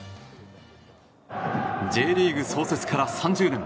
Ｊリーグ創設から３０年。